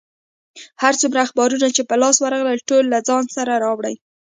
هر څومره اخبارونه چې په لاس ورغلل، ټول له ځان سره راوړي.